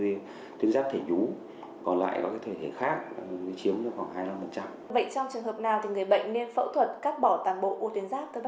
vậy trong trường hợp nào thì người bệnh nên phẫu thuật cắt bỏ toàn bộ ưu tuyến giáp thưa bác sĩ